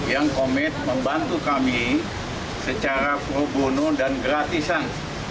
yang komit membantu kami secara pro bono dan gratisan